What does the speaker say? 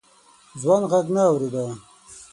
ځوان غږ نه اورېده.